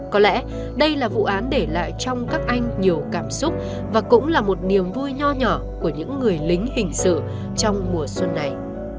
có lẽ đây là vụ án để lại trong các anh nhiều cảm xúc và cũng là một niềm vui nhỏ nhỏ của những người lính hình sự trong mùa xuân này